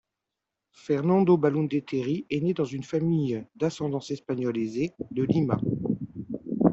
Fernando Belaúnde Terry est né dans une famille d’ascendance espagnole aisée de Lima.